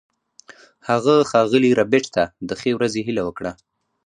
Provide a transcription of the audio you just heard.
هغه ښاغلي ربیټ ته د ښې ورځې هیله وکړه